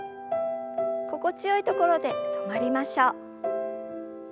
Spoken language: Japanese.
心地よいところで止まりましょう。